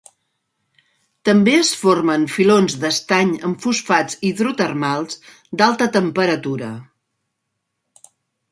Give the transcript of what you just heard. També es forma en filons d'estany amb fosfats hidrotermals, d'alta temperatura.